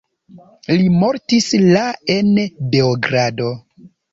Li mortis la en Beogrado.